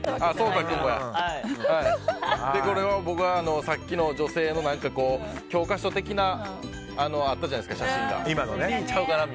僕はさっきの女性の教科書的なあったじゃないですか写真が。